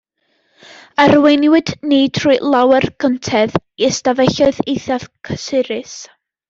Arweiniwyd ni trwy lawer cyntedd i ystafelloedd eithaf cysurus.